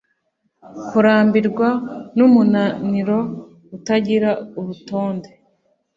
Kurambirwa numunaniro utagira urutonde